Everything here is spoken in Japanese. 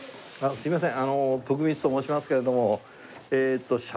すみません。